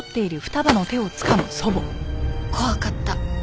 怖かった。